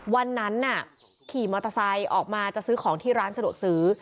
วันนั้นน่ะขี่มอเตอร์ไซค์ออกมาจะซื้อของที่ร้านสะดวกซื้อ